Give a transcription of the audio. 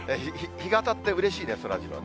日が当たってうれしいね、そらジロー。